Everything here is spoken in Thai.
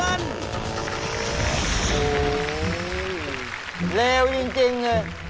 โหเลวจริง